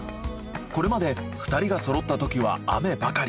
これまで２人がそろったときは雨ばかり。